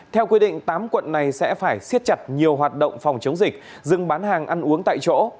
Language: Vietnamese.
theo quy định tám quận này sẽ phải siết chặt nhiều hoạt động phòng chống dịch dừng bán hàng ăn uống tại chỗ